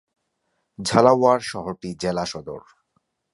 ঝালাওয়াড় শহরটি জেলা সদর।